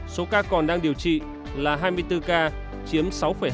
số ca còn đang điều trị là hai mươi bốn ca chiếm sáu hai